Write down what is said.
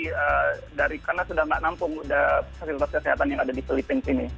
karena sudah tidak menampung sudah fasilitas kesehatan yang ada di filipina ini